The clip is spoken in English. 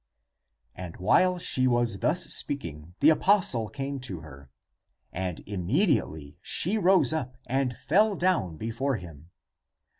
And while she was thus speaking, the apostle came to her. And immediately she rose up and fell down before him.